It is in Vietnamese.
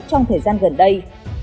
trong thời gian gần đây